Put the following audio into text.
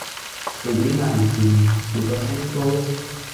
被指偽善，故作清高